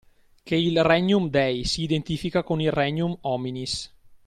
Che il Regnum Dei si identifica con il Regnum hominis